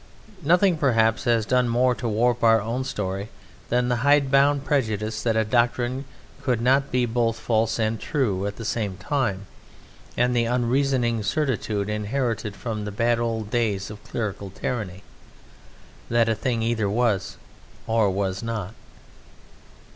Nothing, perhaps, has done more to warp our own story than the hide bound prejudice that a doctrine could not be both false and true at the same time, and the unreasoning certitude, inherited from the bad old days of clerical tyranny, that a thing either was or was not.